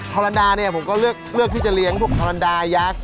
อรันดาเนี่ยผมก็เลือกที่จะเลี้ยงพวกทรนดายักษ์